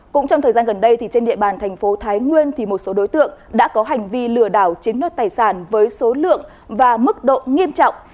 cũng trong thời gian gần đây trên địa bàn thành phố thái nguyên một số đối tượng đã có hành vi lừa đảo chiếm nốt tài sản với số lượng và mức độ nghiêm trọng